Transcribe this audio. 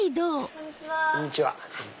こんにちは。